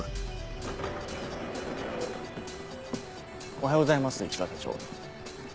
おはようございます市川社長。